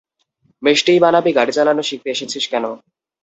মিষ্টিই বানাবি গাড়ি চালানো শিখতে এসেছিস কেন।